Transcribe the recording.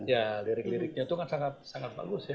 ya lirik liriknya itu kan sangat sangat bagus ya